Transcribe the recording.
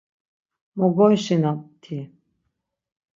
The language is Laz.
Mo goyşinam-ti.